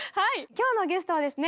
今日のゲストはですね